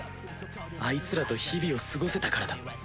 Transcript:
アイツらと日々を過ごせたからだ。